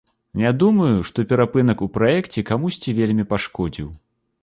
Не думаю, што перапынак у праекце камусьці вельмі пашкодзіў.